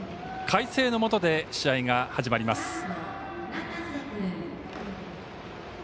快晴のもとで試合が始まります。